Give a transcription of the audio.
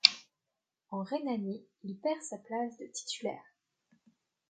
En Rhénanie, il perd sa place de titulaire.